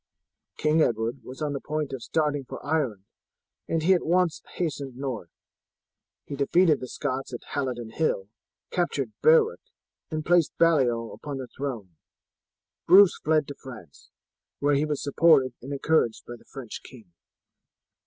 King Edward was on the point of starting for Ireland, and he at once hastened north. He defeated the Scots at Halidon Hill, captured Berwick, and placed Baliol upon the throne. Bruce fled to France, where he was supported and encouraged by the French king."